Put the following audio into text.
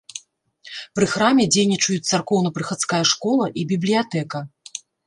Пры храме дзейнічаюць царкоўна-прыхадская школа і бібліятэка.